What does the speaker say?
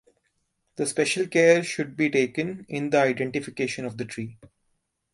The special care should be taken in the identification of the tree.